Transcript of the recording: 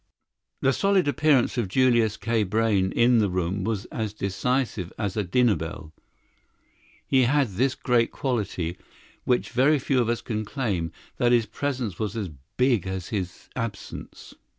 The solid appearance of Julius K. Brayne in the room was as decisive as a dinner bell. He had this great quality, which very few of us can claim, that his presence was as big as his absence.